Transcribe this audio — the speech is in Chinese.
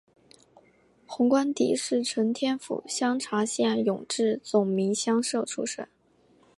洪光迪是承天府香茶县永治总明乡社出生。